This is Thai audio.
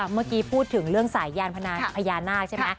เมื่อกี้พูดถึงสายญาณพยานาคใช่มั้ย